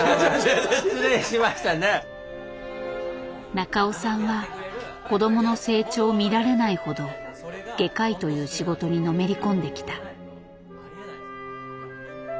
中尾さんは子どもの成長を見られないほど外科医という仕事にのめり込んできた。